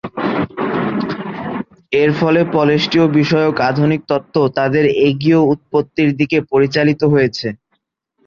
এর ফলে পলেষ্টীয় বিষয়ক আধুনিক তত্ত্ব তাদের এগীয় উৎপত্তির দিকে পরিচালিত হয়েছে।